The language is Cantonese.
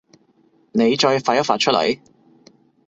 妳再發一發出嚟